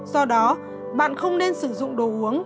do đó bạn không nên sử dụng đồ uống